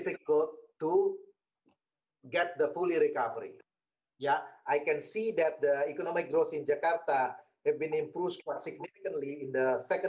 itu adalah pencobaan untuk menentukan adalah untuk memegang dua pikiran yang berbeda